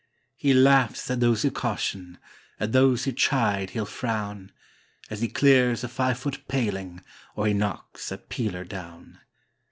He laughs at those who caution, at those who chide he'll frown, As he clears a five foot paling, or he knocks a peeler down.